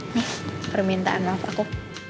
nih permintaan maaf aku